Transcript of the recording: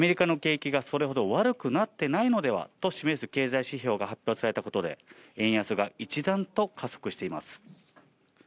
アメリカの景気がそれほど悪くなってないのではと示す経済指標が発表されたことで円安が一段と加速しています。